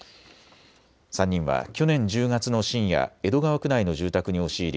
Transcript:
３人は去年１０月の深夜、江戸川区内の住宅に押し入り